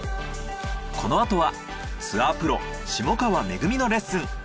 このあとはツアープロ下川めぐみのレッスン。